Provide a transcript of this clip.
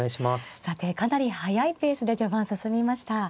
さてかなり速いペースで序盤進みました。